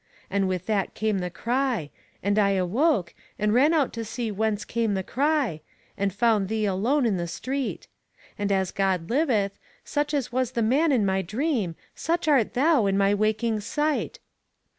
And with that came the cry, and I awoke, and ran out to see whence came the cry, and found thee alone in the street. And as God liveth, such as was the man in my dream, such art thou in my waking sight.